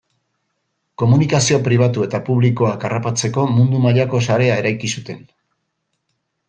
Komunikazio pribatu eta publikoak harrapatzeko mundu mailako sarea eraiki zuten.